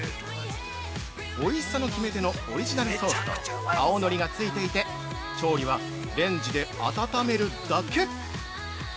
おいしさの決め手のオリジナルソースと青のりがついていて調理はレンジで温めるだけ。